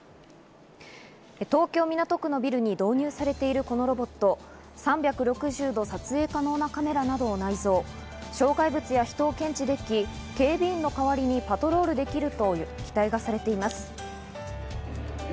東京・港区のビルに導入されているこのロボット、３６０度撮影可能なカメラなどを内蔵、障害物や人を検知でき、警備員の代わりにパトロールできると期待がされています。